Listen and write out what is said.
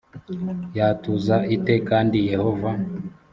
yatuza ite kandi yehova